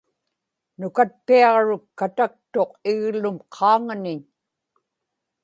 nukatpiaġruk kataktuq iglum qaaŋaniñ